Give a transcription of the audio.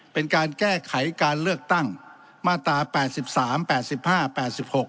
เป็นการแก้ไขการเลือกตั้งมาตราแปดสิบสามแปดสิบห้าแปดสิบหก